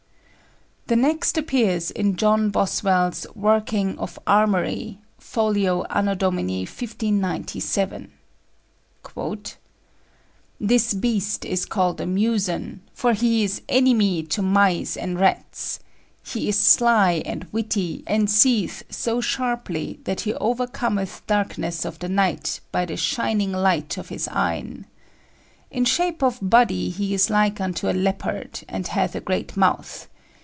The next appears in John Bossewell's "Workes of Armorie," folio, A.D. 1597: "This beaste is called a Musion, for that he is enimie to Myse and Rattes. He is slye and wittie, and seeth so sharpely that he overcommeth darknes of the nighte by the shyninge lyghte of his eyne. In shape of body he is like unto a Leoparde, and hathe a great mouth.